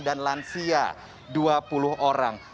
dan lansia dua puluh orang